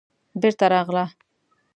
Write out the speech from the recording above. بېرته راغله.